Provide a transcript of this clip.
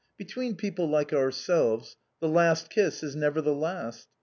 Between people like ourselves — the last kiss is never the last.